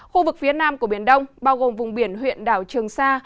khu vực phía nam của biển đông bao gồm vùng biển huyện đảo trường sa